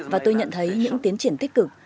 và tôi nhận thấy những tiến triển tích cực